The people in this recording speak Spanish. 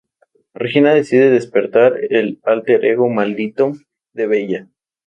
Regina decide despertar el alter ego maldito de Bella.